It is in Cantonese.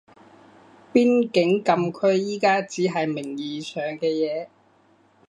邊境禁區而家只係名義上嘅嘢